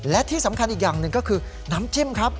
และที่สำคัญอีกอย่างหนึ่งก็คือน้ำจิ้มครับ